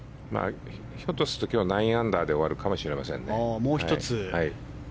ひょっとすると９アンダーで終わるかもしれません。